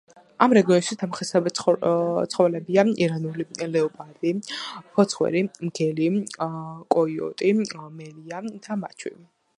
ამ რეგიონისთვის დამახასიათებელი ცხოველებია: ირანული ლეოპარდი, ფოცხვერი, მგელი, კოიოტი, მელა და მაჩვი.